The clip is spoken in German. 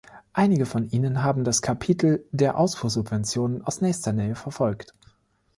Einige von Ihnen haben das Kapitel der Ausfuhrsubventionen aus nächster Nähe verfolgt.